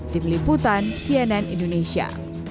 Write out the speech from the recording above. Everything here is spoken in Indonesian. tim liputan cnn indonesia